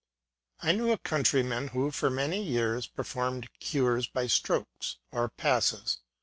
I knew a countryman who, for many years, per formed cures by strokes, or passes.